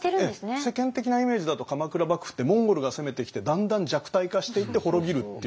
世間的なイメージだと鎌倉幕府ってモンゴルが攻めてきてだんだん弱体化していって滅びるっていう。